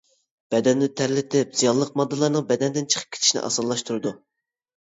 بەدەننى تەرلىتىپ، زىيانلىق ماددىلارنىڭ بەدەندىن چىقىپ كېتىشىنى ئاسانلاشتۇرىدۇ.